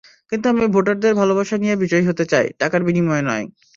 কিন্তু আমি ভোটারদের ভালোবাসা নিয়ে বিজয়ী হতে চাই, টাকার বিনিময়ে নয়।